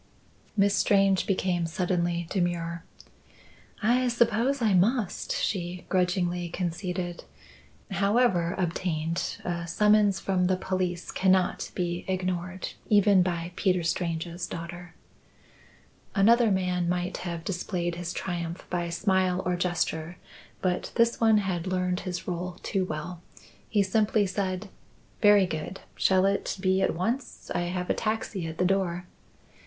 Miss Strange became suddenly demure. "I suppose I must," she grudgingly conceded. "However obtained, a summons from the police cannot be ignored even by Peter Strange's daughter." Another man might have displayed his triumph by smile or gesture; but this one had learned his role too well. He simply said: "Very good. Shall it be at once? I have a taxi at the door."